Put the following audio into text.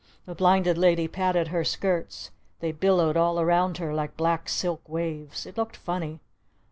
The Blinded Lady patted her skirts. They billowed all around her like black silk waves. It looked funny.